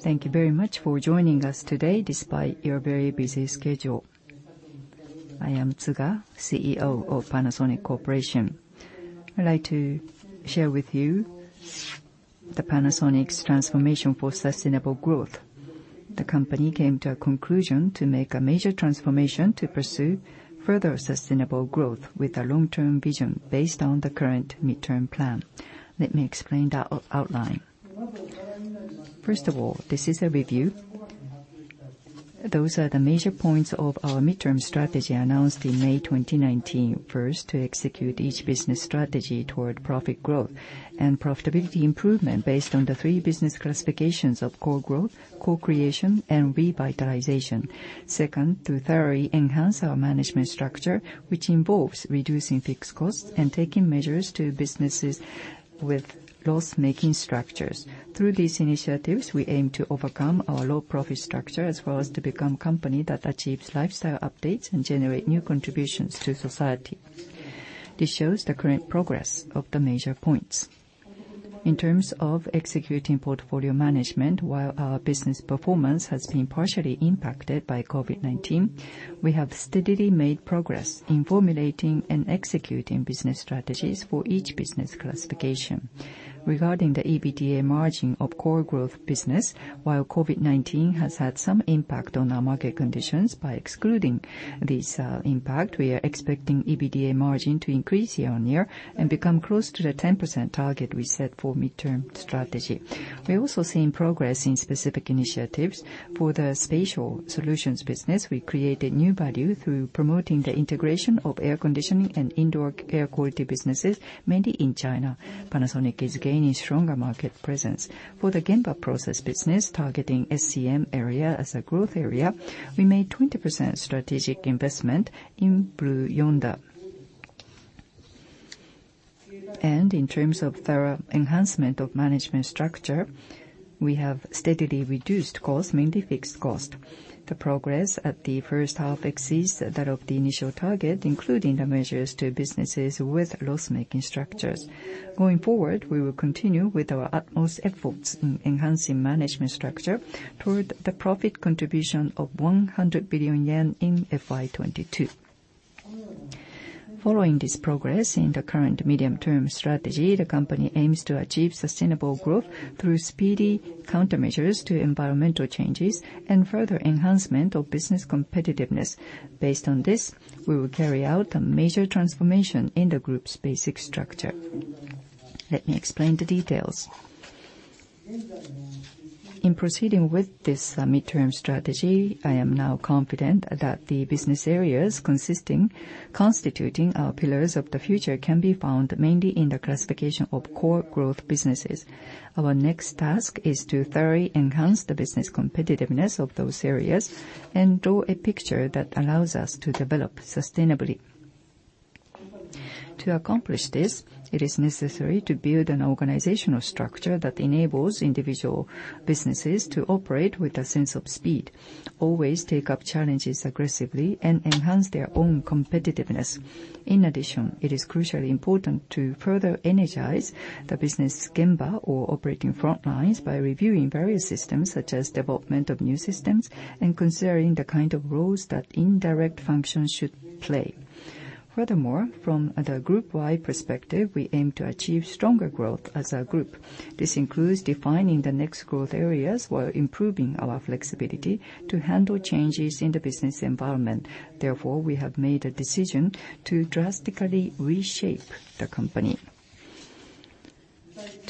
Thank you very much for joining us today despite your very busy schedule. I am Tsuga, CEO of Panasonic Corporation. I'd like to share with you the Panasonic's transformation for sustainable growth. The company came to a conclusion to make a major transformation to pursue further sustainable growth with a long-term vision based on the current midterm plan. Let me explain the outline. First of all, this is a review. Those are the major points of our midterm strategy announced in May 2019. First, to execute each business strategy toward profit growth and profitability improvement based on the three business classifications of core growth, core creation, and revitalization. Second, to thoroughly enhance our management structure, which involves reducing fixed costs and taking measures to businesses with loss-making structures. Through these initiatives, we aim to overcome our low-profit structure as well as to become a company that achieves lifestyle updates and generates new contributions to society. This shows the current progress of the major points. In terms of executing portfolio management, while our business performance has been partially impacted by COVID-19, we have steadily made progress in formulating and executing business strategies for each business classification. Regarding the EBITDA margin of core growth business, while COVID-19 has had some impact on our market conditions, by excluding this impact, we are expecting EBITDA margin to increase year-on-year and become close to the 10% target we set for midterm strategy. We're also seeing progress in specific initiatives. For the spatial solutions business, we created new value through promoting the integration of air conditioning and indoor air quality businesses, mainly in China. Panasonic is gaining stronger market presence. For the Gemba process business, targeting SCM area as a growth area, we made a 20% strategic investment in Blue Yonder. In terms of thorough enhancement of management structure, we have steadily reduced costs, mainly fixed costs. The progress at the first half exceeds that of the initial target, including the measures to businesses with loss-making structures. Going forward, we will continue with our utmost efforts in enhancing management structure toward the profit contribution of 100 billion yen in fiscal year 2022. Following this progress in the current medium-term strategy, the company aims to achieve sustainable growth through speedy countermeasures to environmental changes and further enhancement of business competitiveness. Based on this, we will carry out a major transformation in the group's basic structure. Let me explain the details. In proceeding with this midterm strategy, I am now confident that the business areas constituting our pillars of the future can be found mainly in the classification of core growth businesses. Our next task is to thoroughly enhance the business competitiveness of those areas and draw a picture that allows us to develop sustainably. To accomplish this, it is necessary to build an organizational structure that enables individual businesses to operate with a sense of speed, always take up challenges aggressively, and enhance their own competitiveness. In addition, it is crucially important to further energize the business Gemba or operating frontlines by reviewing various systems, such as development of new systems and considering the kind of roles that indirect functions should play. Furthermore, from the group-wide perspective, we aim to achieve stronger growth as a group. This includes defining the next growth areas while improving our flexibility to handle changes in the business environment. Therefore, we have made a decision to drastically reshape the company.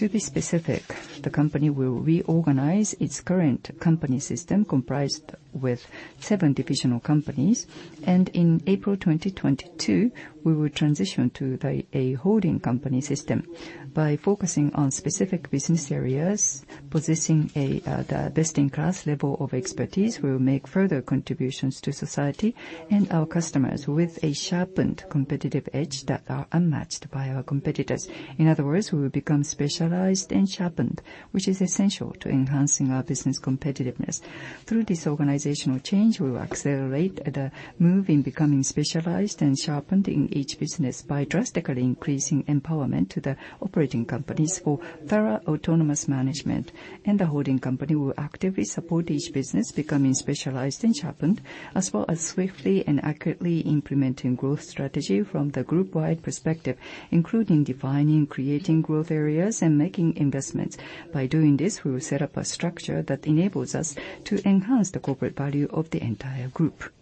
To be specific, the company will reorganize its current company system comprised of seven divisional companies, and in April 2022, we will transition to a holding company system by focusing on specific business areas, possessing the best-in-class level of expertise. We will make further contributions to society and our customers with a sharpened competitive edge that is unmatched by our competitors. In other words, we will become specialized and sharpened, which is essential to enhancing our business competitiveness. Through this organizational change, we will accelerate the move in becoming specialized and sharpened in each business by drastically increasing empowerment to the operating companies for thorough autonomous management. The holding company will actively support each business becoming specialized and sharpened, as well as swiftly and accurately implementing growth strategy from the group-wide perspective, including defining, creating growth areas, and making investments. By doing this, we will set up a structure that enables us to enhance the corporate value of the entire group.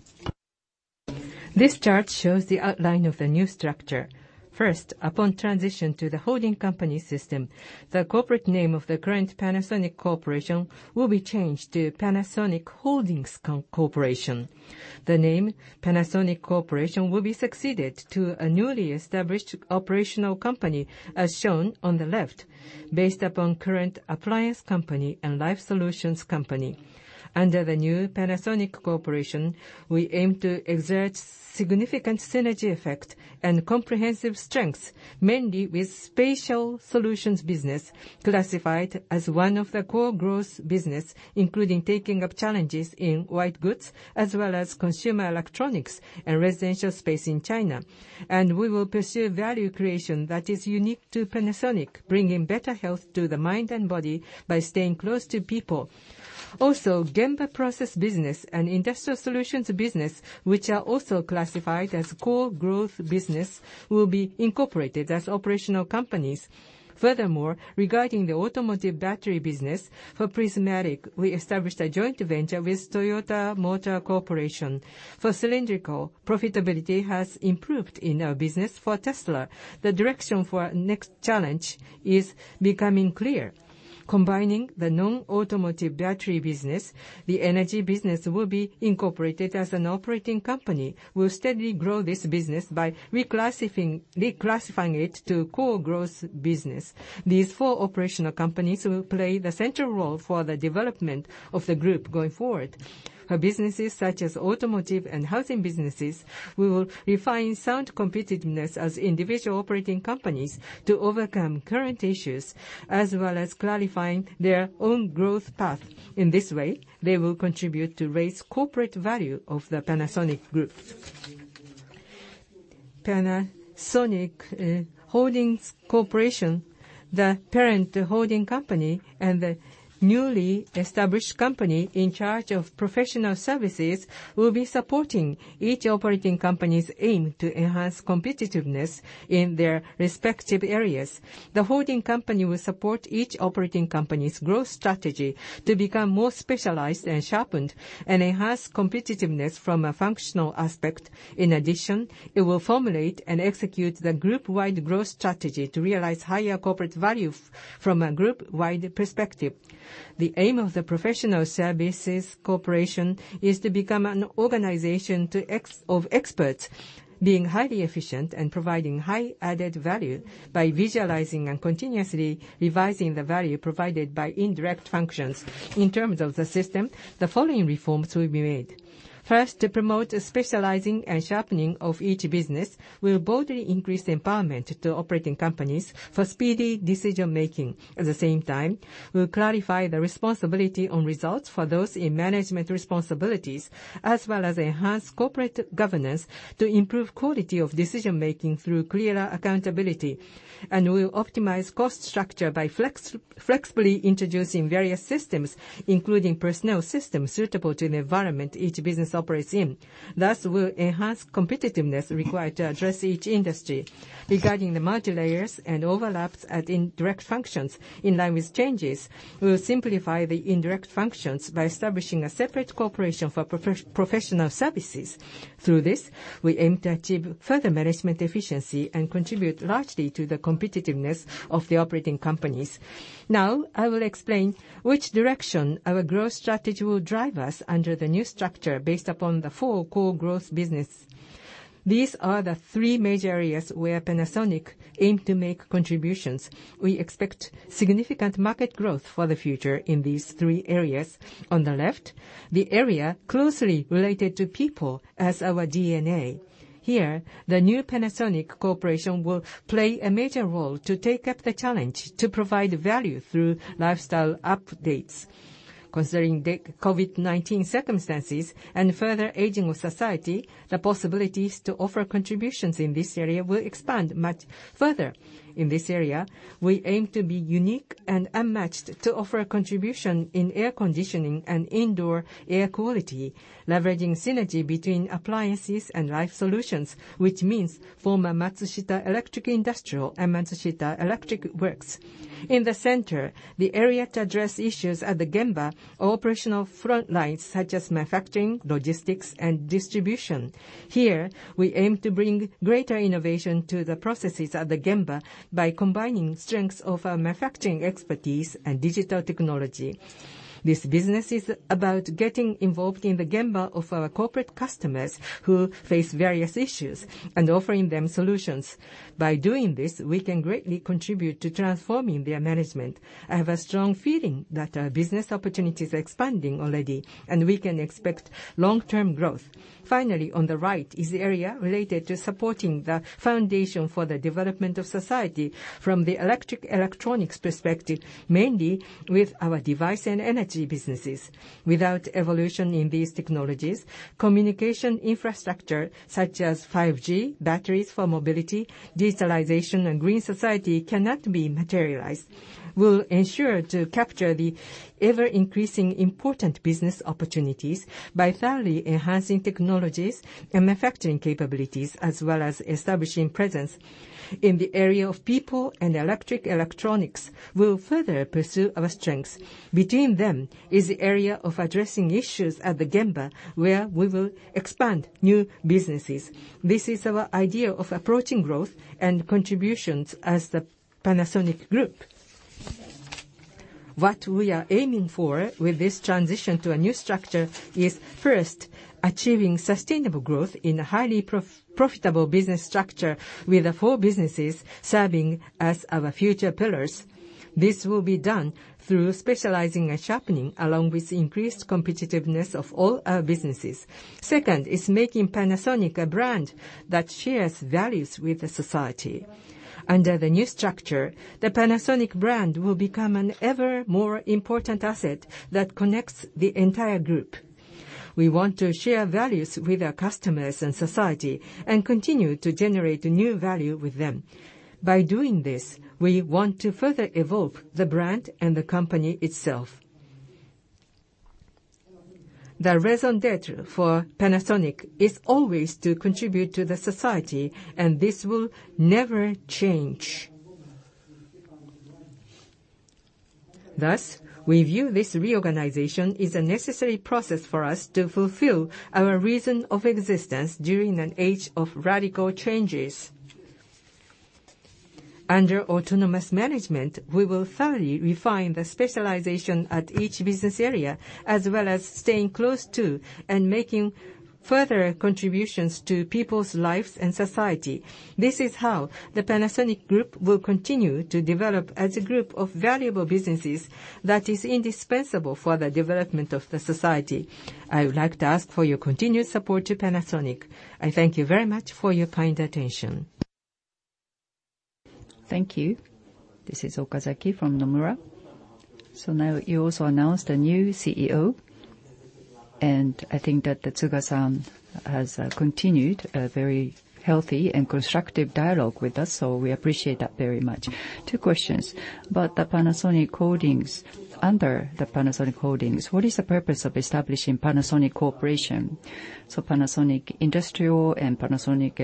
This chart shows the outline of the new structure. First, upon transition to the holding company system, the corporate name of the current Panasonic Corporation will be changed to Panasonic Holdings Corporation. The name Panasonic Corporation will be succeeded to a newly established operational company, as shown on the left, based upon current appliance company and life solutions company. Under the new Panasonic Corporation, we aim to exert significant synergy effect and comprehensive strengths, mainly with spatial solutions business classified as one of the core growth business, including taking up challenges in white goods as well as consumer electronics and residential space in China. We will pursue value creation that is unique to Panasonic, bringing better health to the mind and body by staying close to people. Also, Gemba process business and industrial solutions business, which are also classified as core growth business, will be incorporated as operational companies. Furthermore, regarding the automotive battery business for prismatic, we established a joint venture with Toyota Motor Corporation. For cylindrical, profitability has improved in our business. For Tesla, the direction for our next challenge is becoming clear. Combining the non-automotive battery business, the energy business will be incorporated as an operating company. We'll steadily grow this business by reclassifying it to core growth business. These four operational companies will play the central role for the development of the group going forward. For businesses such as automotive and housing businesses, we will refine sound competitiveness as individual operating companies to overcome current issues, as well as clarifying their own growth path. In this way, they will contribute to raise corporate value of the Panasonic Group. Panasonic Holdings Corporation, the parent holding company, and the newly established company in charge of professional services will be supporting each operating company's aim to enhance competitiveness in their respective areas. The holding company will support each operating company's growth strategy to become more specialized and sharpened and enhance competitiveness from a functional aspect. In addition, it will formulate and execute the group-wide growth strategy to realize higher corporate value from a group-wide perspective. The aim of the professional services corporation is to become an organization of experts, being highly efficient and providing high added value by visualizing and continuously revising the value provided by indirect functions. In terms of the system, the following reforms will be made. First, to promote specializing and sharpening of each business, we'll boldly increase empowerment to operating companies for speedy decision-making. At the same time, we'll clarify the responsibility on results for those in management responsibilities, as well as enhance corporate governance to improve quality of decision-making through clearer accountability. We'll optimize cost structure by flexibly introducing various systems, including personnel systems suitable to the environment each business operates in. Thus, we'll enhance competitiveness required to address each industry. Regarding the multi-layers and overlaps at indirect functions, in line with changes, we'll simplify the indirect functions by establishing a separate corporation for professional services. Through this, we aim to achieve further management efficiency and contribute largely to the competitiveness of the operating companies. Now, I will explain which direction our growth strategy will drive us under the new structure based upon the four core growth business. These are the three major areas where Panasonic aim to make contributions. We expect significant market growth for the future in these three areas. On the left, the area closely related to people as our DNA. Here, the new Panasonic Corporation will play a major role to take up the challenge to provide value through lifestyle updates. Considering the COVID-19 circumstances and further aging of society, the possibilities to offer contributions in this area will expand much further. In this area, we aim to be unique and unmatched to offer contribution in air conditioning and indoor air quality, leveraging synergy between appliances and life solutions, which means former Matsushita Electric Industrial and Matsushita Electric Works. In the center, the area to address issues at the Gemba operational frontlines, such as manufacturing, logistics, and distribution. Here, we aim to bring greater innovation to the processes at the Gemba by combining strengths of our manufacturing expertise and digital technology. This business is about getting involved in the Gemba of our corporate customers who face various issues and offering them solutions. By doing this, we can greatly contribute to transforming their management. I have a strong feeling that our business opportunities are expanding already, and we can expect long-term growth. Finally, on the right is the area related to supporting the foundation for the development of society from the electronics perspective, mainly with our device and energy businesses. Without evolution in these technologies, communication infrastructure such as 5G, batteries for mobility, digitalization, and green society cannot be materialized. We'll ensure to capture the ever-increasing important business opportunities by thoroughly enhancing technologies and manufacturing capabilities, as well as establishing presence in the area of people and electric electronics. We'll further pursue our strengths. Between them is the area of addressing issues at the Gemba, where we will expand new businesses. This is our idea of approaching growth and contributions as the Panasonic Group. What we are aiming for with this transition to a new structure is, first, achieving sustainable growth in a highly profitable business structure with the four businesses serving as our future pillars. This will be done through specializing and sharpening, along with increased competitiveness of all our businesses. Second is making Panasonic a brand that shares values with society. Under the new structure, the Panasonic brand will become an ever more important asset that connects the entire group. We want to share values with our customers and society and continue to generate new value with them. By doing this, we want to further evolve the brand and the company itself. The raison d'être for Panasonic is always to contribute to the society, and this will never change. Thus, we view this reorganization as a necessary process for us to fulfill our reason of existence during an age of radical changes. Under autonomous management, we will thoroughly refine the specialization at each business area, as well as staying close to and making further contributions to people's lives and society. This is how the Panasonic Group will continue to develop as a group of valuable businesses that is indispensable for the development of the society. I would like to ask for your continued support to Panasonic. I thank you very much for your kind attention. Thank you. This is Okazaki from Nomura. Now you also announced a new CEO, and I think that Tsuga-san has continued a very healthy and constructive dialogue with us, so we appreciate that very much. Two questions. About the Panasonic Holdings, under the Panasonic Holdings, what is the purpose of establishing Panasonic Corporation? Panasonic Industrial and Panasonic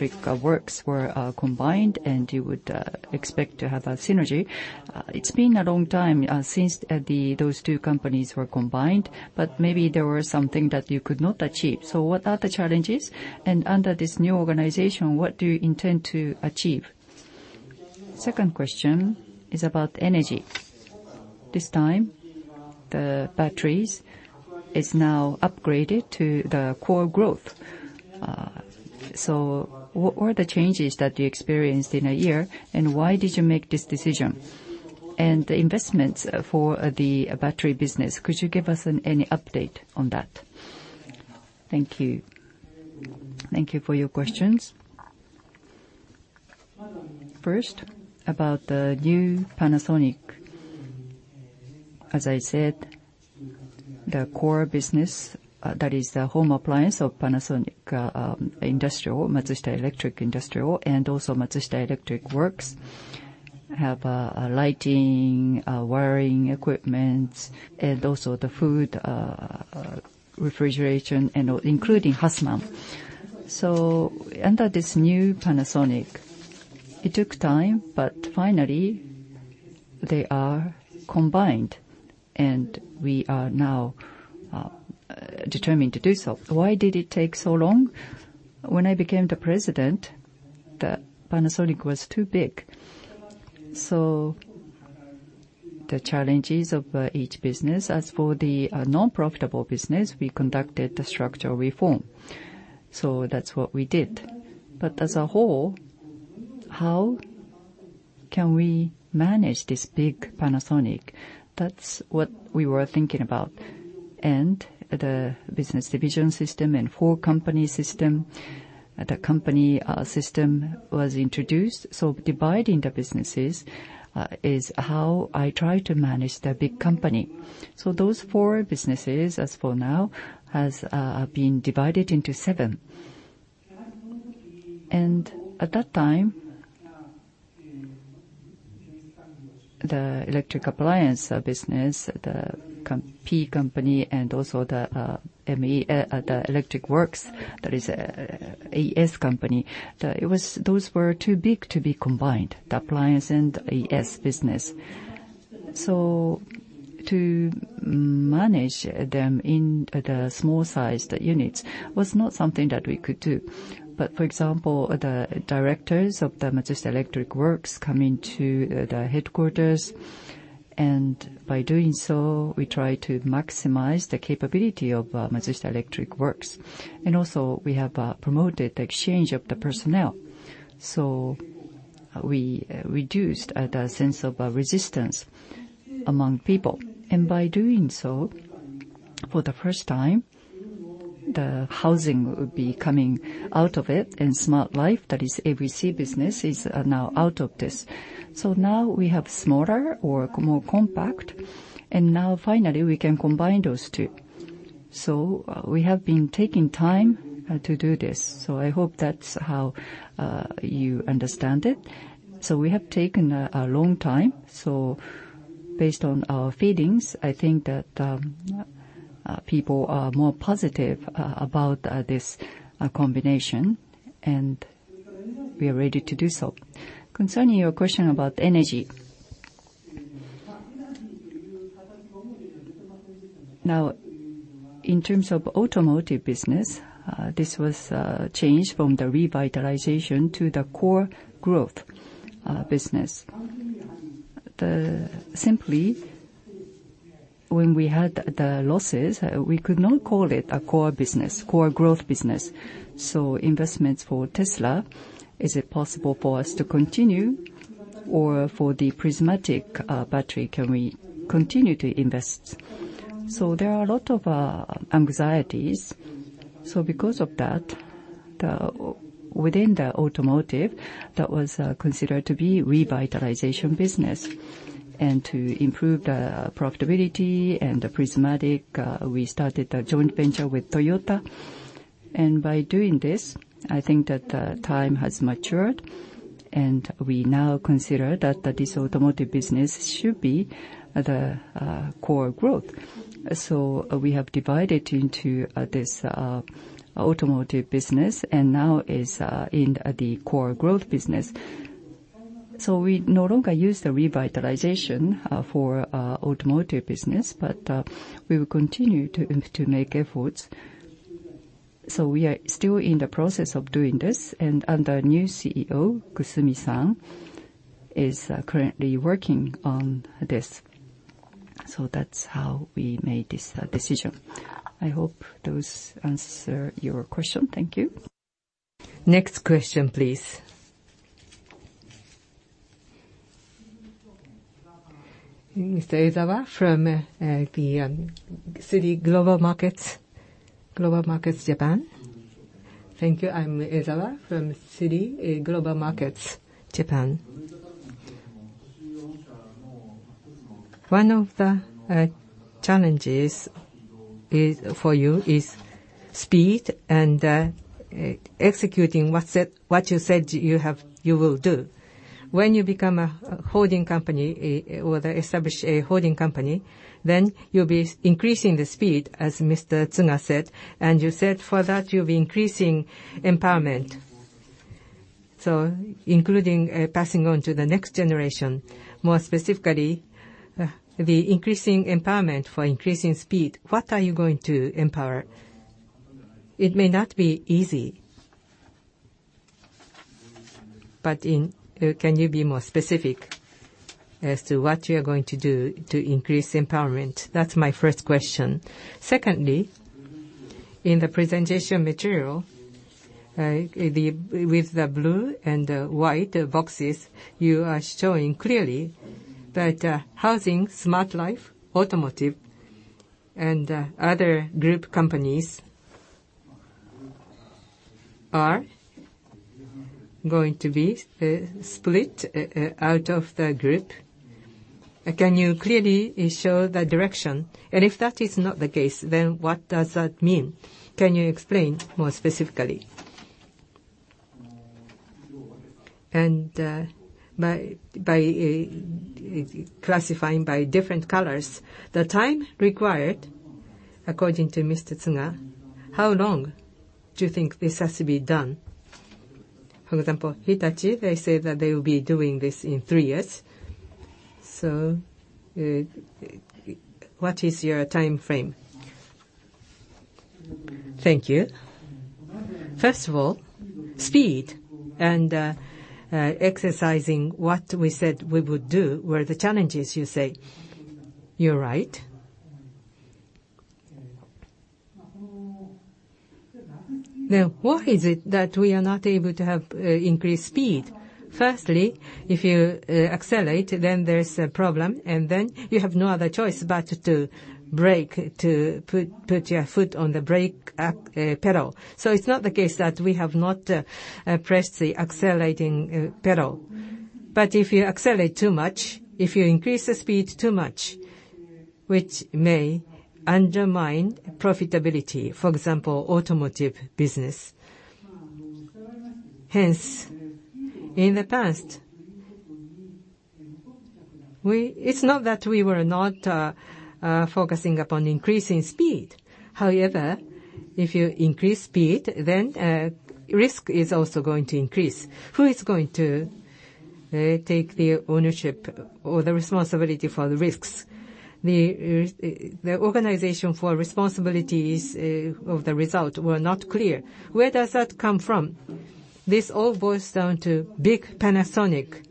Electric Works were combined, and you would expect to have a synergy. It has been a long time since those two companies were combined, but maybe there were some things that you could not achieve. What are the challenges? Under this new organization, what do you intend to achieve? Second question is about energy. This time, the batteries are now upgraded to the core growth. What were the changes that you experienced in a year, and why did you make this decision? The investments for the battery business, could you give us any update on that? Thank you. Thank you for your questions. First, about the new Panasonic. As I said, the core business, that is the home appliance of Panasonic Industrial, Matsushita Electric Industrial, and also Matsushita Electric Works, have lighting, wiring equipment, and also the food refrigeration, including Hussmann. Under this new Panasonic, it took time, but finally, they are combined, and we are now determined to do so. Why did it take so long? When I became the president, the Panasonic was too big. The challenges of each business, as for the non-profitable business, we conducted the structural reform. That is what we did. As a whole, how can we manage this big Panasonic? That is what we were thinking about. The business division system and four company systems, the company system was introduced. Dividing the businesses is how I try to manage the big company. Those four businesses, as for now, have been divided into seven. At that time, the electric appliance business, the P Company, and also the ME, the Electric Works, that is an ES company. Those were too big to be combined, the appliance and ES business. To manage them in the small-sized units was not something that we could do. For example, the directors of the Matsushita Electric Works came into the headquarters, and by doing so, we tried to maximize the capability of Matsushita Electric Works. We have promoted the exchange of the personnel. We reduced the sense of resistance among people. By doing so, for the first time, the housing would be coming out of it, and smart life, that is ABC business, is now out of this. We have smaller or more compact, and now finally, we can combine those two. We have been taking time to do this. I hope that's how you understand it. We have taken a long time. Based on our feelings, I think that people are more positive about this combination, and we are ready to do so. Concerning your question about energy, now, in terms of automotive business, this was changed from the revitalization to the core growth business. Simply, when we had the losses, we could not call it a core business, core growth business. Investments for Tesla, is it possible for us to continue, or for the prismatic battery, can we continue to invest? There are a lot of anxieties. Because of that, within the automotive, that was considered to be revitalization business. To improve the profitability and the prismatic, we started a joint venture with Toyota. By doing this, I think that time has matured, and we now consider that this automotive business should be the core growth. We have divided into this automotive business and now is in the core growth business. We no longer use the revitalization for automotive business, but we will continue to make efforts. We are still in the process of doing this, and under a new CEO, Kusumi-san is currently working on this. That is how we made this decision. I hope those answer your question. Thank you. Next question, please. Mr. Ezawa from Citigroup Global Markets Japan. Thank you. I'm Ezawa from Citigroup Global Markets Japan. One of the challenges for you is speed and executing what you said you will do. When you become a holding company or establish a holding company, then you'll be increasing the speed, as Mr. Tsuga said, and you said for that you'll be increasing empowerment. Including passing on to the next generation, more specifically, the increasing empowerment for increasing speed, what are you going to empower? It may not be easy, but can you be more specific as to what you are going to do to increase empowerment? That's my first question. Secondly, in the presentation material, with the blue and white boxes, you are showing clearly that housing, smart life, automotive, and other group companies are going to be split out of the group. Can you clearly show the direction? If that is not the case, then what does that mean? Can you explain more specifically? By classifying by different colors, the time required, according to Mr. Tsuga, how long do you think this has to be done? For example, Hitachi, they say that they will be doing this in three years. What is your time frame? Thank you. First of all, speed and exercising what we said we would do were the challenges, you say. You're right. Now, why is it that we are not able to have increased speed? Firstly, if you accelerate, then there's a problem, and then you have no other choice but to brake, to put your foot on the brake pedal. It is not the case that we have not pressed the accelerating pedal. If you accelerate too much, if you increase the speed too much, which may undermine profitability, for example, automotive business. Hence, in the past, it is not that we were not focusing upon increasing speed. However, if you increase speed, then risk is also going to increase. Who is going to take the ownership or the responsibility for the risks? The organization for responsibility of the result was not clear. Where does that come from? This all boils down to big Panasonic.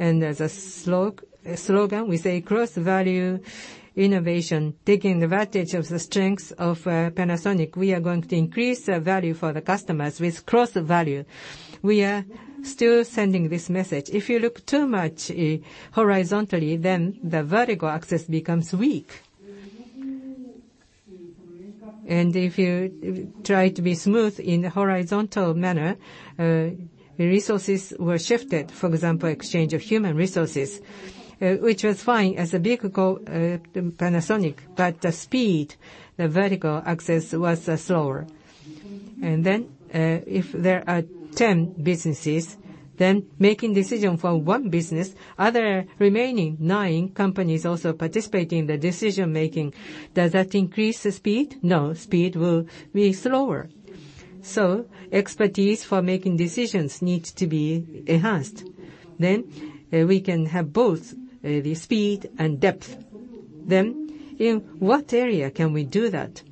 As a slogan, we say, "Cross-value innovation, taking advantage of the strengths of Panasonic. We are going to increase the value for the customers with cross-value. We are still sending this message. If you look too much horizontally, then the vertical axis becomes weak. If you try to be smooth in a horizontal manner, resources were shifted, for example, exchange of human resources, which was fine as a big Panasonic, but the speed, the vertical axis was slower. If there are 10 businesses, then making decision for one business, other remaining 9 companies also participating in the decision-making, does that increase the speed? No, speed will be slower. Expertise for making decisions needs to be enhanced. We can have both the speed and depth. In what area can we do that?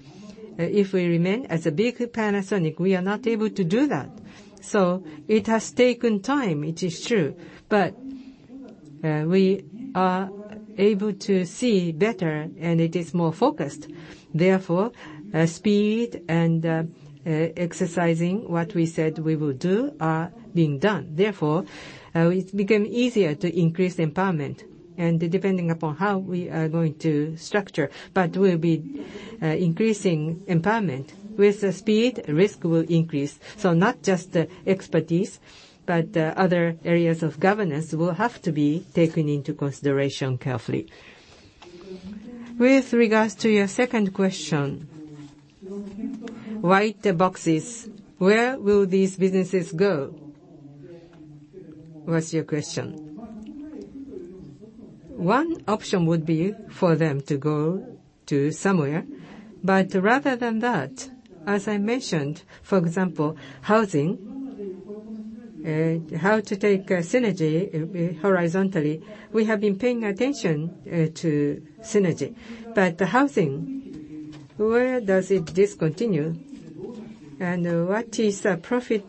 If we remain as a big Panasonic, we are not able to do that. It has taken time, it is true, but we are able to see better, and it is more focused. Therefore, speed and exercising what we said we will do are being done. It became easier to increase empowerment. Depending upon how we are going to structure, we will be increasing empowerment. With the speed, risk will increase. Not just expertise, but other areas of governance will have to be taken into consideration carefully. With regards to your second question, white boxes, where will these businesses go? What's your question? One option would be for them to go somewhere, but rather than that, as I mentioned, for example, housing, how to take synergy horizontally. We have been paying attention to synergy. Housing, where does it discontinue? What is the profit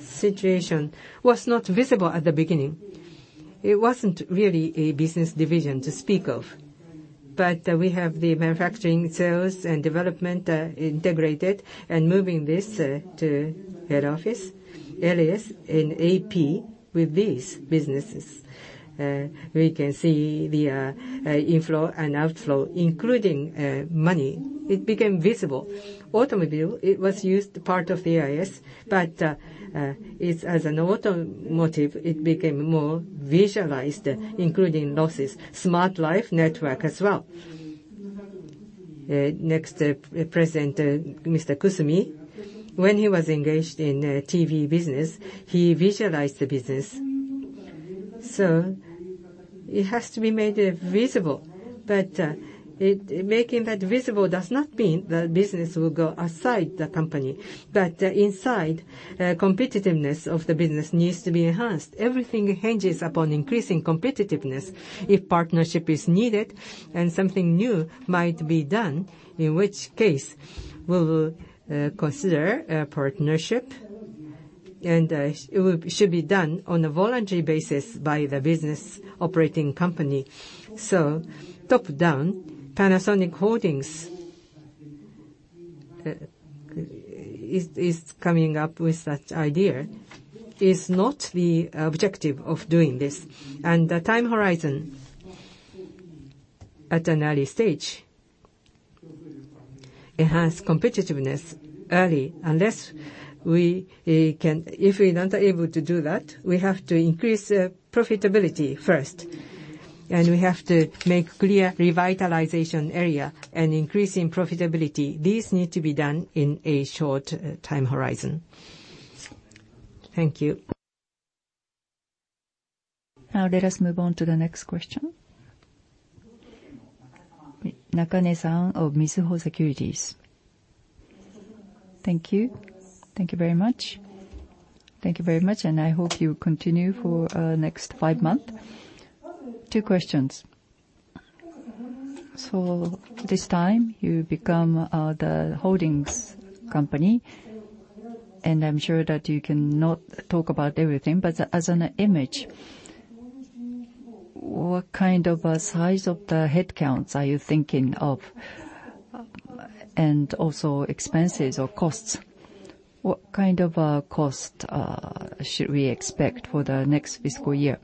situation? Was not visible at the beginning. It wasn't really a business division to speak of. We have the manufacturing, sales, and development integrated and moving this to head office, LAS, and AP with these businesses. We can see the inflow and outflow, including money. It became visible. Automobile, it was used part of the LAS, but as an automotive, it became more visualized, including losses. Smart life network as well. Next present, Mr. Kusumi, when he was engaged in TV business, he visualized the business. It has to be made visible, but making that visible does not mean the business will go outside the company. Inside, competitiveness of the business needs to be enhanced. Everything hinges upon increasing competitiveness. If partnership is needed and something new might be done, in which case we will consider a partnership, and it should be done on a voluntary basis by the business operating company. Top-down, Panasonic Holdings is coming up with such idea. It's not the objective of doing this. The time horizon at an early stage enhances competitiveness early. If we're not able to do that, we have to increase profitability first. We have to make clear revitalization area and increasing profitability. These need to be done in a short time horizon. Thank you. Now let us move on to the next question. Nakane-san of Mizuho Securities. Thank you. Thank you very much. Thank you very much, and I hope you continue for the next five months. Two questions. This time, you become the holdings company, and I'm sure that you cannot talk about everything, but as an image, what kind of size of the headcounts are you thinking of? Also expenses or costs. What kind of cost should we expect for the next fiscal year?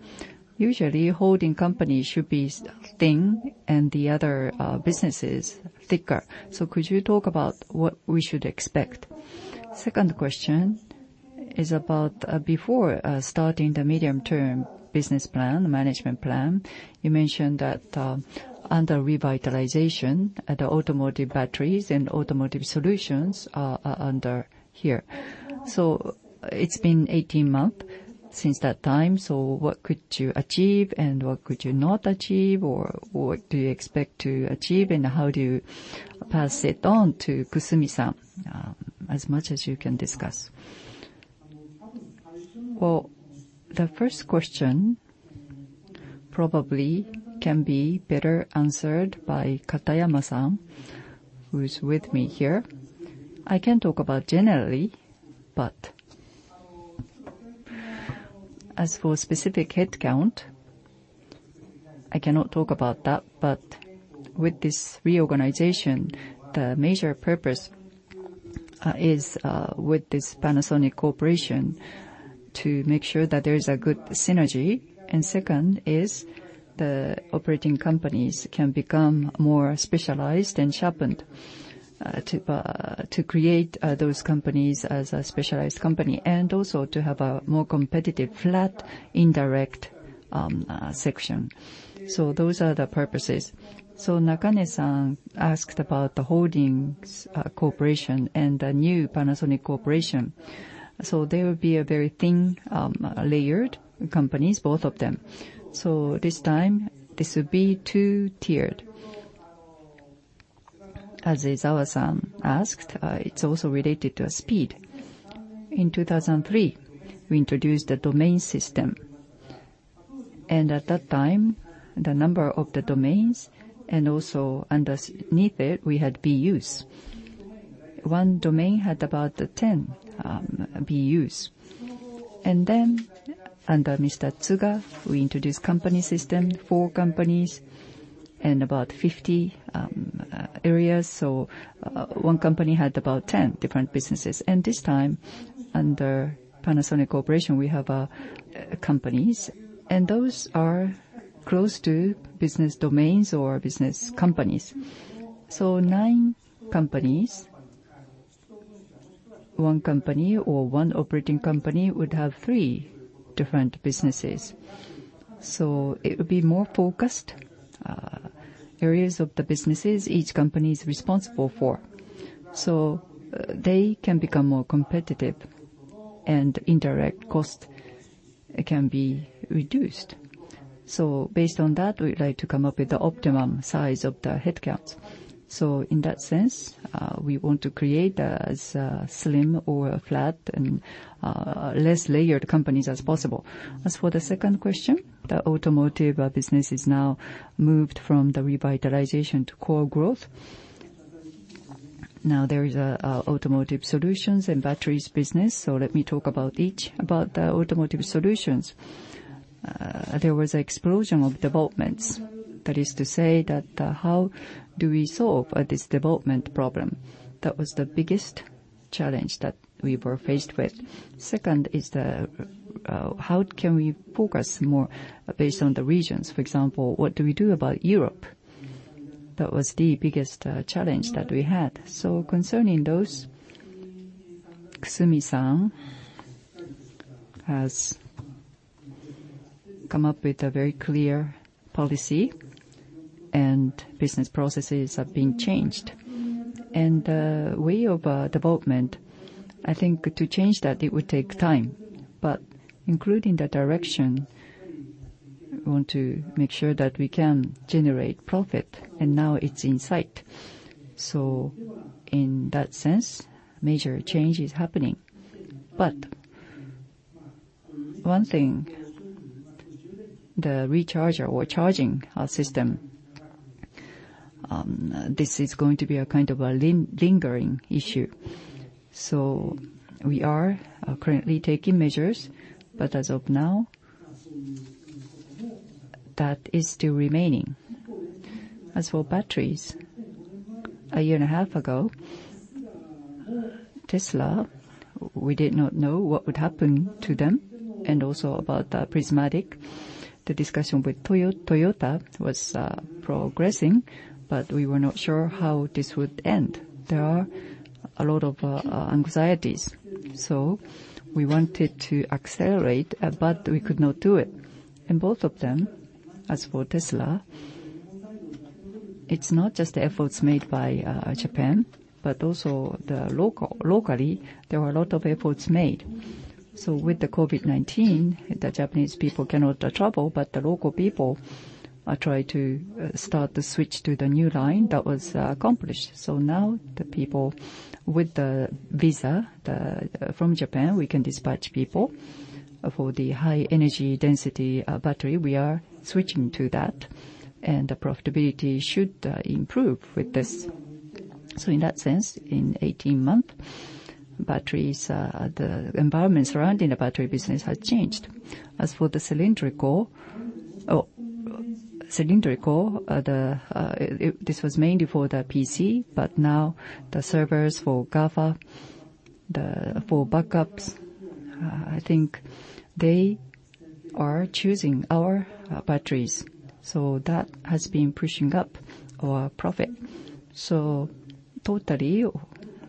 Usually, holding companies should be thin and the other businesses thicker. Could you talk about what we should expect? Second question is about before starting the medium-term business plan, management plan. You mentioned that under revitalization, the automotive batteries and automotive solutions are under here. It has been 18 months since that time. What could you achieve and what could you not achieve, or what do you expect to achieve, and how do you pass it on to Kusumi-san? As much as you can discuss. The first question probably can be better answered by Katayama-san, who is with me here. I can talk about generally, but as for specific headcount, I cannot talk about that. With this reorganization, the major purpose is with this Panasonic Corporation to make sure that there is a good synergy. Second is the operating companies can become more specialized and sharpened to create those companies as a specialized company and also to have a more competitive flat indirect section. Those are the purposes. Nakane-san asked about the Holdings Corporation and the new Panasonic Corporation. There will be very thin layered companies, both of them. This time, this would be two-tiered. As Ezawa-san asked, it is also related to speed. In 2003, we introduced the domain system. At that time, the number of the domains and also underneath it, we had BUs. One domain had about 10 BUs. Then under Mr. Tsuga, we introduced company system, four companies and about 50 areas. One company had about 10 different businesses. This time, under Panasonic Corporation, we have companies, and those are close to business domains or business companies. Nine companies, one company or one operating company would have three different businesses. It would be more focused areas of the businesses each company is responsible for. They can become more competitive and indirect costs can be reduced. Based on that, we'd like to come up with the optimum size of the headcounts. In that sense, we want to create as slim or flat and less layered companies as possible. As for the second question, the automotive business is now moved from the revitalization to core growth. Now there is an automotive solutions and batteries business. Let me talk about each about the automotive solutions. There was an explosion of developments. That is to say that how do we solve this development problem? That was the biggest challenge that we were faced with. Second is how can we focus more based on the regions? For example, what do we do about Europe? That was the biggest challenge that we had. Concerning those, Kusumi-san has come up with a very clear policy, and business processes have been changed. The way of development, I think to change that, it would take time. Including the direction, we want to make sure that we can generate profit. Now it is in sight. In that sense, major change is happening. One thing, the recharger or charging system, this is going to be a kind of a lingering issue. We are currently taking measures, but as of now, that is still remaining. As for batteries, a year and a half ago, Tesla, we did not know what would happen to them. Also about Prismatic, the discussion with Toyota was progressing, but we were not sure how this would end. There are a lot of anxieties. We wanted to accelerate, but we could not do it. Both of them, as for Tesla, it's not just the efforts made by Japan, but also locally, there were a lot of efforts made. With the COVID-19, the Japanese people cannot travel, but the local people try to start the switch to the new line that was accomplished. Now the people with the visa from Japan, we can dispatch people for the high energy density battery. We are switching to that, and the profitability should improve with this. In that sense, in 18 months, the environment surrounding the battery business has changed. As for the cylindrical, this was mainly for the PC, but now the servers for GAFA, for backups, I think they are choosing our batteries. That has been pushing up our profit. Totally,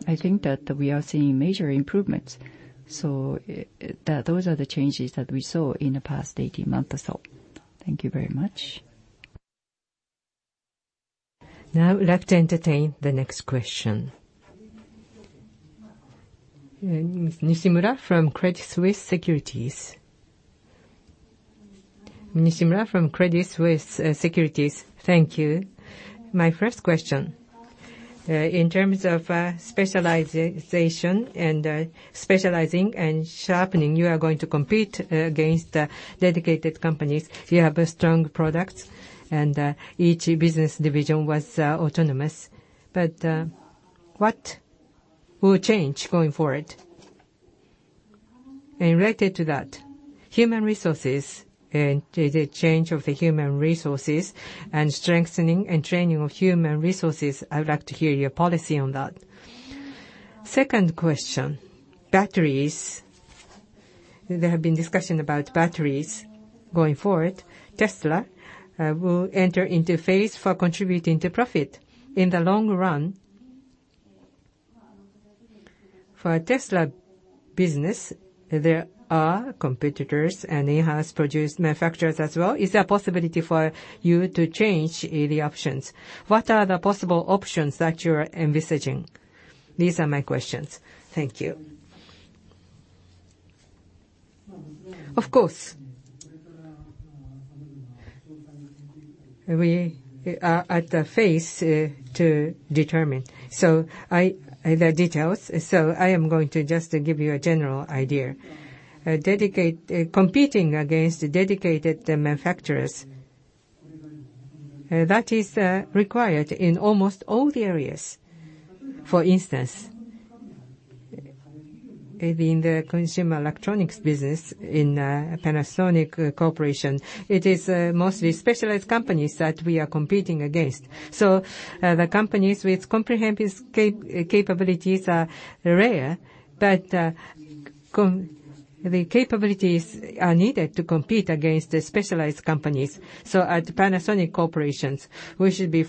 I think that we are seeing major improvements. Those are the changes that we saw in the past 18 months or so. Thank you very much. Now we'd like to entertain the next question. Ms. Nishimura from Credit Suisse Securities. Ms. Nishimura from Credit Suisse Securities. Thank you. My first question, in terms of specialization and sharpening, you are going to compete against dedicated companies. You have strong products, and each business division was autonomous. What will change going forward? Related to that, human resources and the change of the human resources and strengthening and training of human resources, I'd like to hear your policy on that. Second question, batteries. There have been discussions about batteries going forward. Tesla will enter into phase for contributing to profit. In the long run, for Tesla business, there are competitors, and it has produced manufacturers as well. Is there a possibility for you to change the options? What are the possible options that you are envisaging? These are my questions. Thank you. Of course. We are at the phase to determine. The details, I am going to just give you a general idea. Competing against dedicated manufacturers, that is required in almost all the areas. For instance, in the consumer electronics business in Panasonic Corporation, it is mostly specialized companies that we are competing against. The companies with comprehensive capabilities are rare, but the capabilities are needed to compete against the specialized companies. At Panasonic Corporation, we should be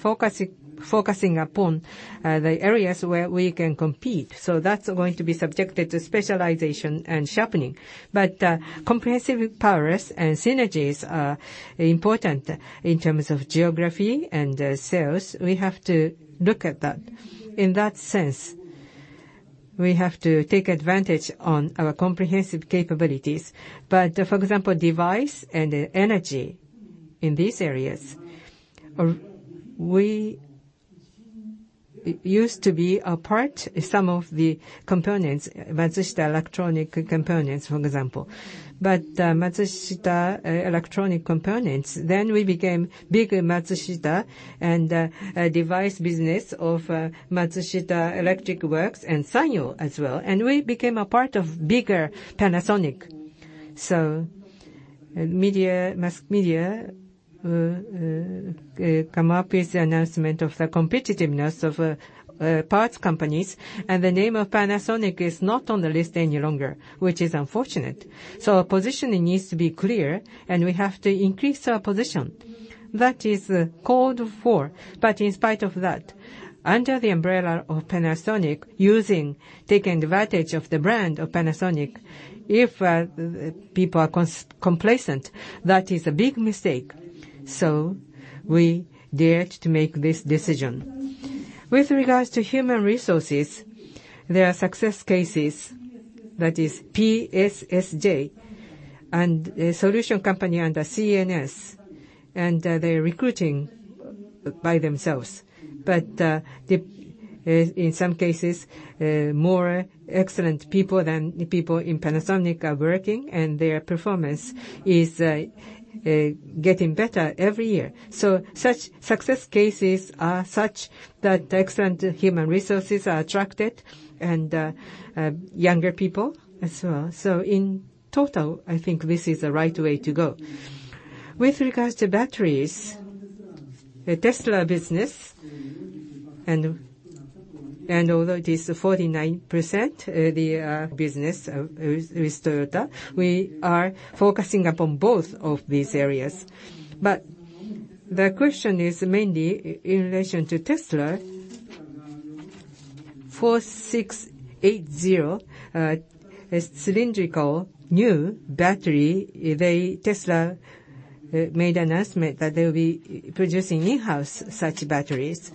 focusing upon the areas where we can compete. That is going to be subjected to specialization and sharpening. Comprehensive powers and synergies are important in terms of geography and sales. We have to look at that. In that sense, we have to take advantage of our comprehensive capabilities. For example, device and energy in these areas, we used to be a part of some of the components, Matsushita Electronic Components, for example. Matsushita Electronic Components, then we became bigger Matsushita and device business of Matsushita Electric Works and Sanyo as well. We became a part of bigger Panasonic. Mask Media came up with the announcement of the competitiveness of parts companies, and the name of Panasonic is not on the list any longer, which is unfortunate. Our position needs to be clear, and we have to increase our position. That is called for. In spite of that, under the umbrella of Panasonic, taking advantage of the brand of Panasonic, if people are complacent, that is a big mistake. We dared to make this decision. With regards to human resources, there are success cases. That is PSSJ and the solution company under CNS, and they're recruiting by themselves. In some cases, more excellent people than people in Panasonic are working, and their performance is getting better every year. Such success cases are such that excellent human resources are attracted and younger people as well. In total, I think this is the right way to go. With regards to batteries, Tesla business, and although it is 49%, the business with Toyota, we are focusing upon both of these areas. The question is mainly in relation to Tesla 4680, a cylindrical new battery. Tesla made an announcement that they will be producing in-house such batteries.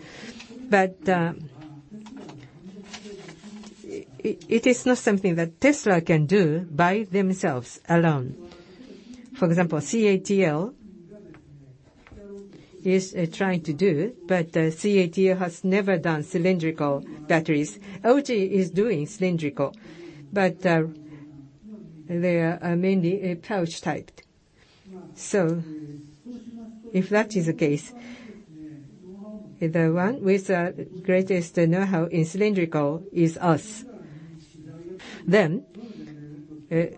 It is not something that Tesla can do by themselves alone. For example, CATL is trying to do, but CATL has never done cylindrical batteries. LG is doing cylindrical, but they are mainly pouch type. If that is the case, the one with the greatest know-how in cylindrical is us. They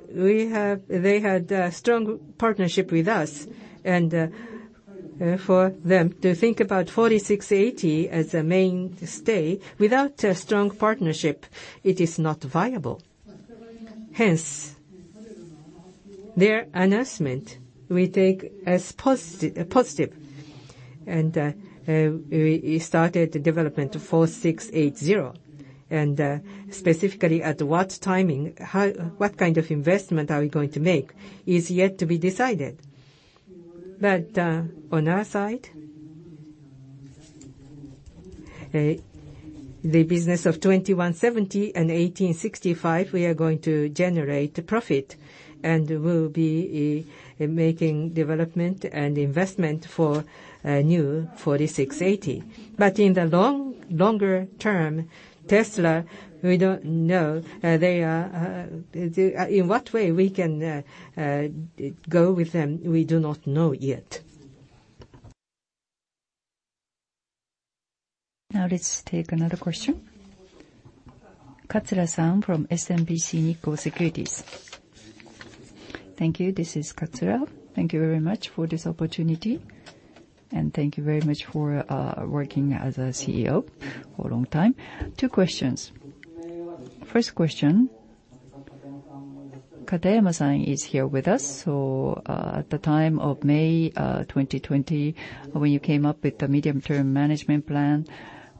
had a strong partnership with us, and for them to think about 4680 as a mainstay, without a strong partnership, it is not viable. Hence, their announcement we take as positive. We started development 4680. Specifically at what timing, what kind of investment we are going to make is yet to be decided. On our side, the business of 2170 and 1865, we are going to generate profit and will be making development and investment for new 4680. In the longer term, Tesla, we do not know in what way we can go with them. We do not know yet. Now let's take another question. Katsura-san from SMBC Nikko Securities. Thank you. This is Katsura. Thank you very much for this opportunity. Thank you very much for working as a CEO for a long time. Two questions. First question, Katayama-san is here with us. At the time of May 2020, when you came up with the medium-term management plan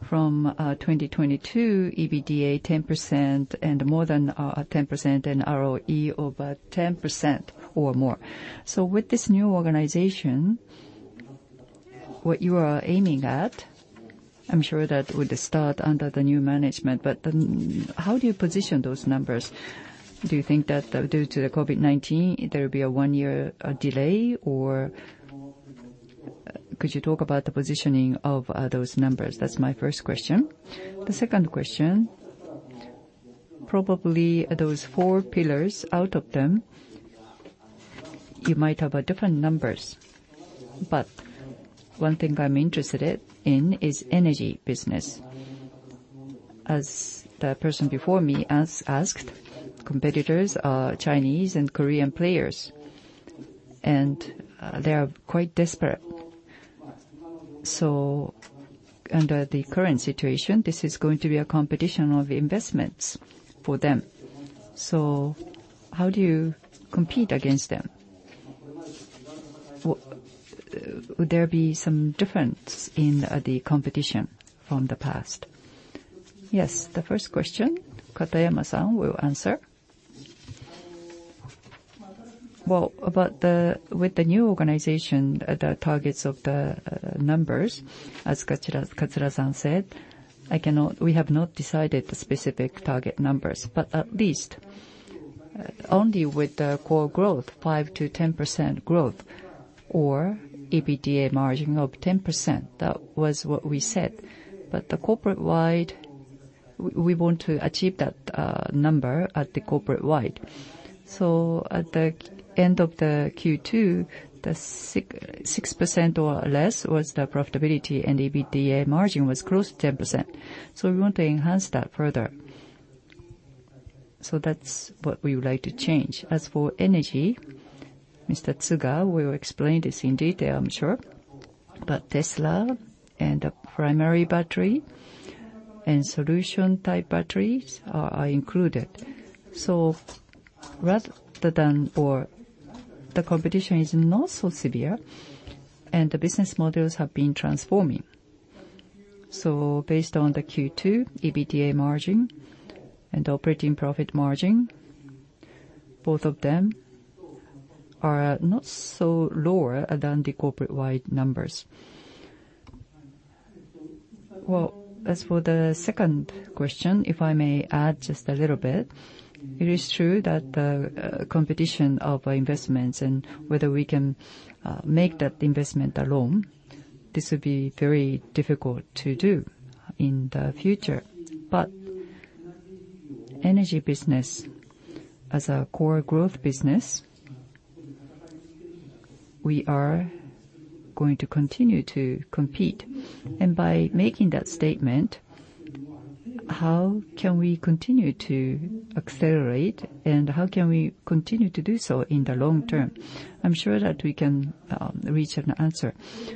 from 2022, EBITDA 10% and more than 10% and ROE over 10% or more. With this new organization, what you are aiming at, I am sure that would start under the new management, but how do you position those numbers? Do you think that due to the COVID-19, there will be a one-year delay? Could you talk about the positioning of those numbers? That is my first question. The second question, probably those four pillars, out of them, you might have different numbers. One thing I am interested in is energy business. As the person before me asked, competitors are Chinese and Korean players, and they are quite desperate. Under the current situation, this is going to be a competition of investments for them. How do you compete against them? Would there be some difference in the competition from the past? Yes, the first question, Katayama-san will answer. With the new organization, the targets of the numbers, as Katsura-san said, we have not decided the specific target numbers. At least only with the core growth, 5-10% growth or EBITDA margin of 10%. That was what we said. Corporate-wide, we want to achieve that number at the corporate-wide. At the end of the Q2, the 6% or less was the profitability, and EBITDA margin was close to 10%. We want to enhance that further. That is what we would like to change. As for energy, Mr. Tsuga will explain this in detail, I'm sure. Tesla and the primary battery and solution-type batteries are included. Rather than or the competition is not so severe, and the business models have been transforming. Based on the Q2 EBITDA margin and operating profit margin, both of them are not so lower than the corporate-wide numbers. As for the second question, if I may add just a little bit, it is true that the competition of investments and whether we can make that investment alone, this would be very difficult to do in the future. Energy business as a core growth business, we are going to continue to compete. By making that statement, how can we continue to accelerate, and how can we continue to do so in the long-term? I'm sure that we can reach an answer.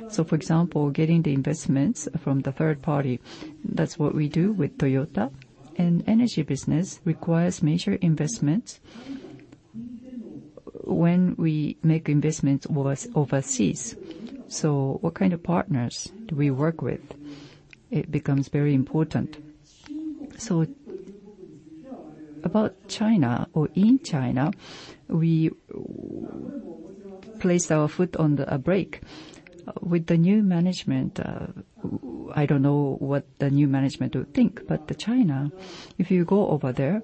For example, getting the investments from the third party, that's what we do with Toyota. Energy business requires major investments when we make investments overseas. What kind of partners do we work with? It becomes very important. About China or in China, we placed our foot on the brake. With the new management, I don't know what the new management would think. China, if you go over there,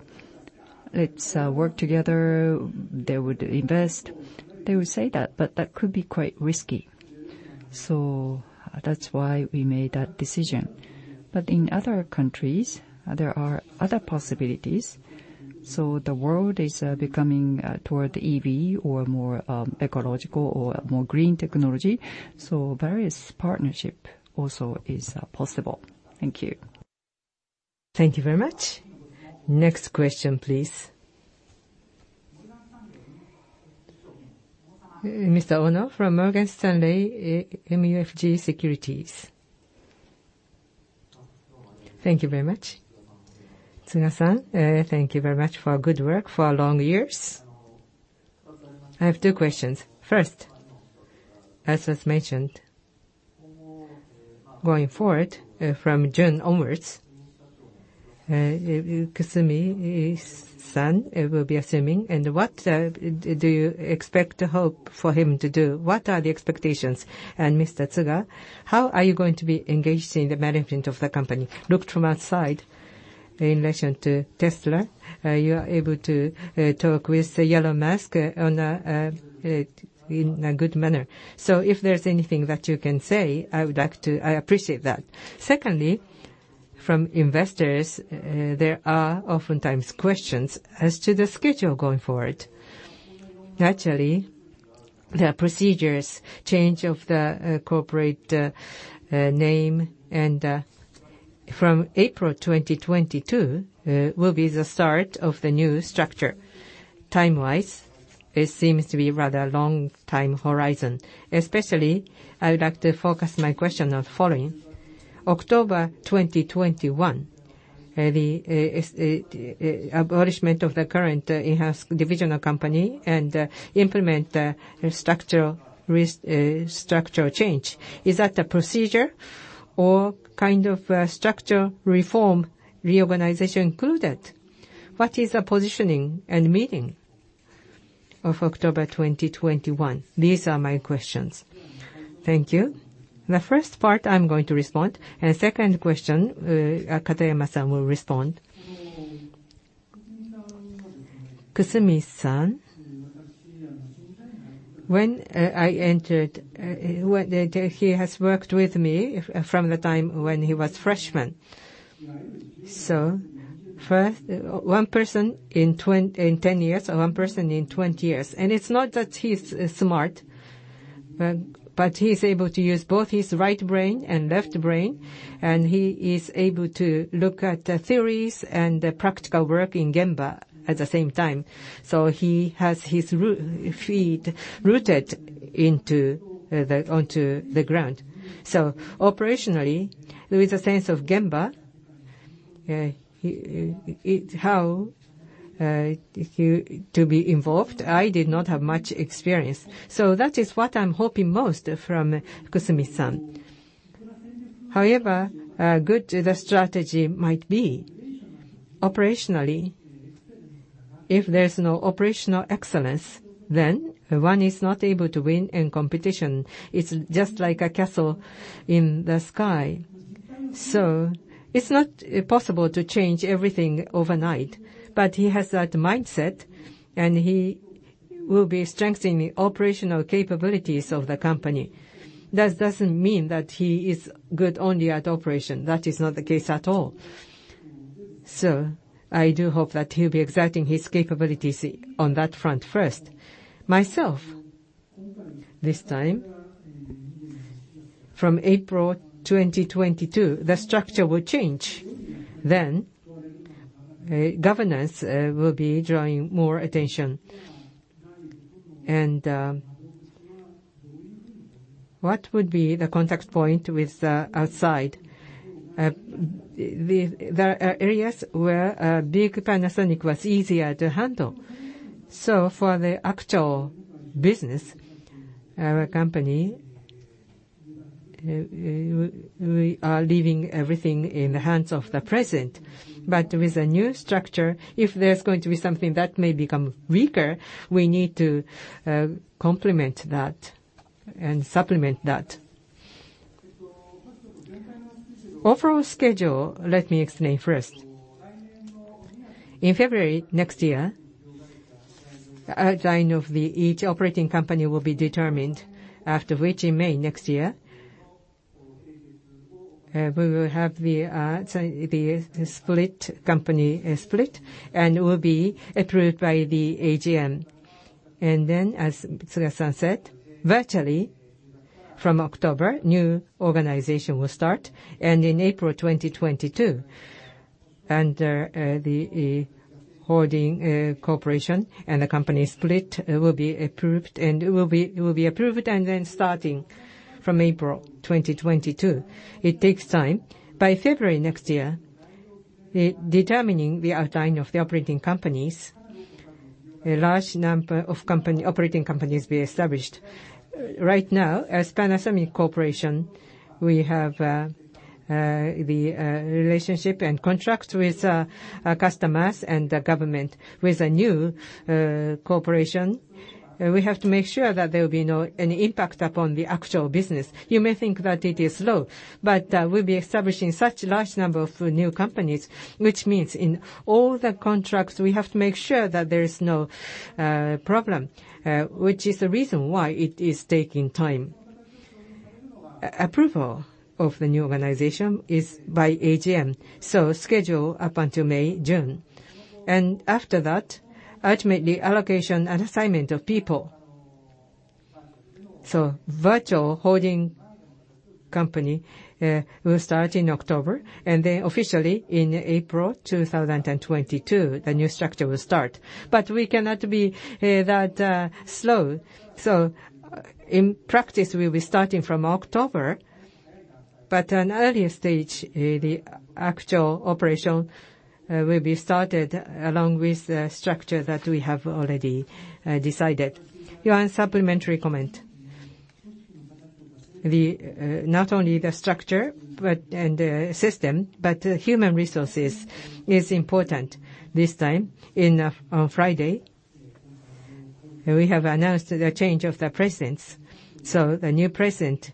let's work together, they would invest. They would say that, but that could be quite risky. That's why we made that decision. In other countries, there are other possibilities. The world is becoming toward EV or more ecological or more green technology. Various partnerships also are possible. Thank you. Thank you very much. Next question, please. Mr. Ohno from Morgan Stanley MUFG Securities. Thank you very much. Tsuga-san, thank you very much for good work for long years. I have two questions. First, as was mentioned, going forward from June onwards, Kusumi-san will be assuming. What do you expect to hope for him to do? What are the expectations? Mr. Tsuga, how are you going to be engaged in the management of the company? Looked from outside in relation to Tesla, you are able to talk with Elon Musk in a good manner. If there's anything that you can say, I would like to appreciate that. Secondly, from investors, there are oftentimes questions as to the schedule going forward. Actually, the procedures change of the corporate name, and from April 2022 will be the start of the new structure. Time-wise, it seems to be rather a long-time horizon. Especially, I would like to focus my question on the following. October 2021, the abolishment of the current in-house divisional company and implement structural change. Is that a procedure or kind of structural reform reorganization included? What is the positioning and meaning of October 2021? These are my questions. Thank you. The first part, I'm going to respond. The second question, Katayama-san will respond. Kusumi-san, when I entered, he has worked with me from the time when he was a freshman. One person in 10 years, one person in 20 years. It is not that he's smart, but he's able to use both his right brain and left brain, and he is able to look at the theories and the practical work in Gemba at the same time. He has his feet rooted onto the ground. Operationally, with a sense of Gemba, how to be involved, I did not have much experience. That is what I'm hoping most from Kusumi-san. However good the strategy might be, operationally, if there's no operational excellence, then one is not able to win in competition. It's just like a castle in the sky. It's not possible to change everything overnight, but he has that mindset, and he will be strengthening the operational capabilities of the company. That doesn't mean that he is good only at operation. That is not the case at all. I do hope that he'll be exerting his capabilities on that front first. Myself, this time, from April 2022, the structure will change. Governance will be drawing more attention. What would be the contact point with outside? There are areas where a big Panasonic was easier to handle. For the actual business, our company, we are leaving everything in the hands of the present. With a new structure, if there's going to be something that may become weaker, we need to complement that and supplement that. Overall schedule, let me explain first. In February next year, as I know, each operating company will be determined, after which in May next year, we will have the split company split and will be approved by the AGM. Then, as Tsuga-san said, virtually from October, new organization will start. In April 2022, under the holding corporation and the company split, will be approved and will be approved and then starting from April 2022. It takes time. By February next year, determining the outline of the operating companies, a large number of operating companies will be established. Right now, as Panasonic Corporation, we have the relationship and contract with customers and the government. With a new corporation, we have to make sure that there will be no impact upon the actual business. You may think that it is slow, but we'll be establishing such a large number of new companies, which means in all the contracts, we have to make sure that there is no problem, which is the reason why it is taking time. Approval of the new organization is by AGM. The schedule is up until May, June. After that, ultimately, allocation and assignment of people. A virtual holding company will start in October. Then officially in April 2022, the new structure will start. We cannot be that slow. In practice, we'll be starting from October. At an earlier stage, the actual operation will be started along with the structure that we have already decided. One supplementary comment. Not only the structure and the system, but human resources is important this time. On Friday, we have announced the change of the presidents. The new president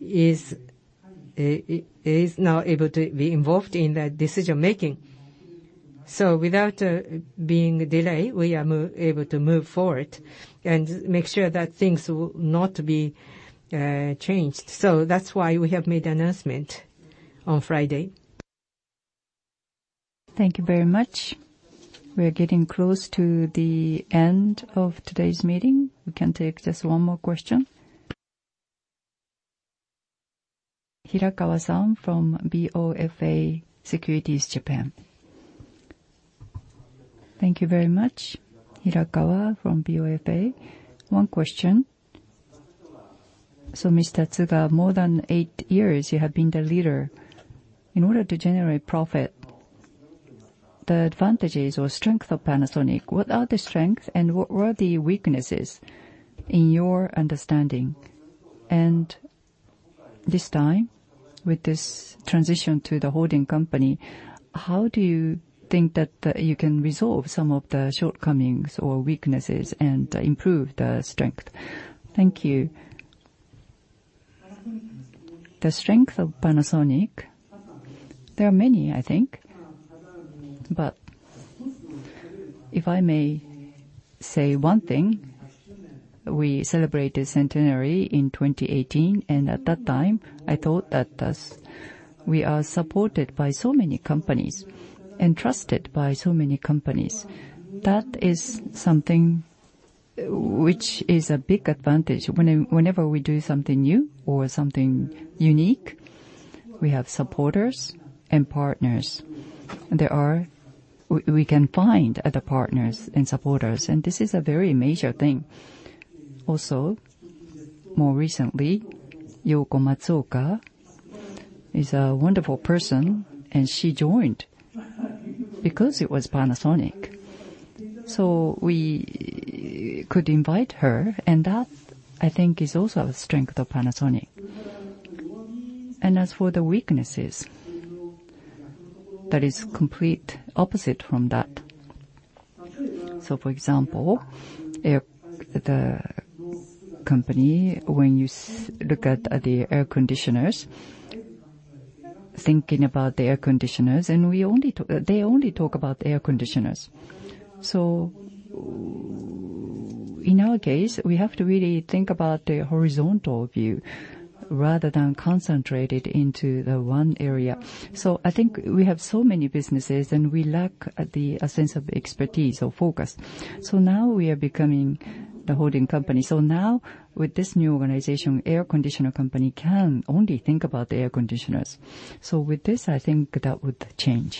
is now able to be involved in the decision-making. Without being delayed, we are able to move forward and make sure that things will not be changed. That is why we have made the announcement on Friday. Thank you very much. We're getting close to the end of today's meeting. We can take just one more question. Hirakawa-san from BOFA Securities Japan. Thank you very much. Hirakawa from BOFA. One question. Mr. Tsuga, more than eight years, you have been the leader. In order to generate profit, the advantages or strength of Panasonic, what are the strengths and what were the weaknesses in your understanding? This time, with this transition to the holding company, how do you think that you can resolve some of the shortcomings or weaknesses and improve the strength? Thank you. The strength of Panasonic, there are many, I think. If I may say one thing, we celebrated centenary in 2018. At that time, I thought that we are supported by so many companies and trusted by so many companies. That is something which is a big advantage. Whenever we do something new or something unique, we have supporters and partners. We can find other partners and supporters. This is a very major thing. More recently, Yoky Matsuoka is a wonderful person, and she joined because it was Panasonic. We could invite her. That, I think, is also a strength of Panasonic. As for the weaknesses, that is complete opposite from that. For example, the company, when you look at the air conditioners, thinking about the air conditioners, and they only talk about air conditioners. In our case, we have to really think about the horizontal view rather than concentrate it into the one area. I think we have so many businesses, and we lack a sense of expertise or focus. Now we are becoming the holding company. Now, with this new organization, air conditioner company can only think about the air conditioners. With this, I think that would change.